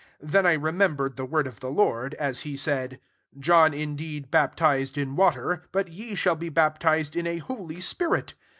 16 Then I remembered the word of the Lord, as he said, John indeed baptized in water; but ye shall be baptized in a loly spirit.'